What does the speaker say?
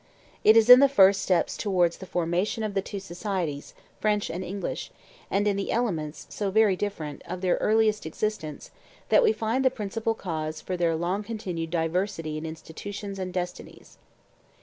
It is in the first steps towards the formation of the two societies, French and English, and in the elements, so very different, of their earliest existence, that we find the principal cause for their long continued diversity in institutions and destinies.